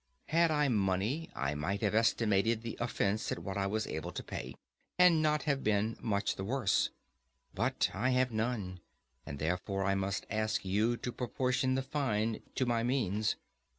Had I money I might have estimated the offence at what I was able to pay, and not have been much the worse. But I have none, and therefore I must ask you to proportion the fine to my means.